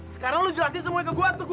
sekarang lu bilang apa salah gue